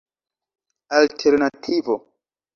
alternativo